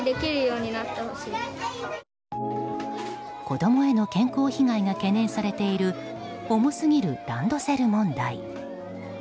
子供への健康被害が懸念されている重すぎるランドセル問題。